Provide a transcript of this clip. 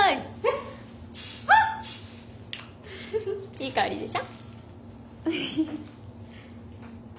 いい香りでしょ。